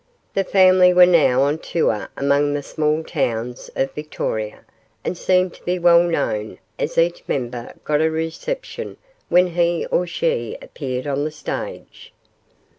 The family were now on tour among the small towns of Victoria, and seemed to be well known, as each member got a reception when he or she appeared on the stage.